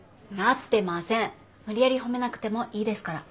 無理やり褒めなくてもいいですから。